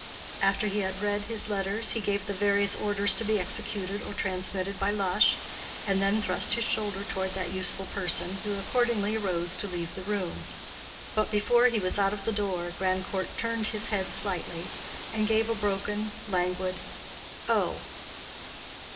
After he had read his letters he gave various orders to be executed or transmitted by Lush, and then thrust his shoulder toward that useful person, who accordingly rose to leave the room. But before he was out of the door Grandcourt turned his head slightly and gave a broken, languid "Oh."